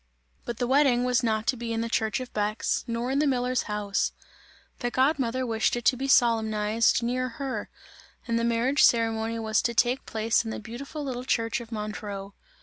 But the wedding was not to be in the church of Bex, nor in the miller's house; the god mother wished it to be solemnized near her, and the marriage ceremony was to take place in the beautiful little church of Montreux.